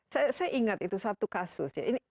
saya ingat itu satu kasus ya